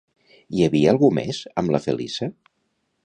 Hi havia algú més amb la Feliça?